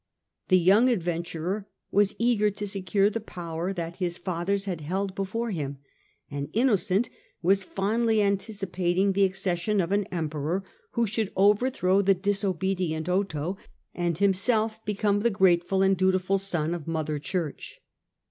The young adventurer was eager to secure the power that his fathers had held before him, and Innocent was fondly anticipating the accession of an Emperor who should overthrow the disobedient Otho and himself become the grateful and dutiful son of Mother Church.